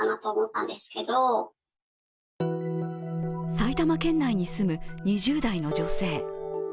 埼玉県内に住む２０代の女性。